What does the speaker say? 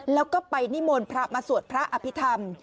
แล้วก็ไปนิมนต์พระมาสวดพระอภิษฐรรม